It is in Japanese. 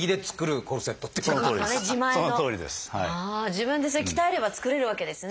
自分でそれ鍛えれば作れるわけですね。